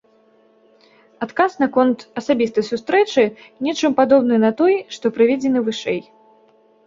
Адказ наконт асабістай сустрэчы нечым падобны на той, што прыведзены вышэй.